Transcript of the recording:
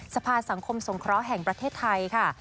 สภาสังคมสงเคราะห์แห่งประเทศไทยค่ะ